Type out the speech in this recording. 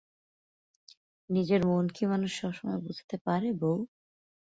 নিজের মন কি মানুষ সবসময় বুঝতে পারে বৌ?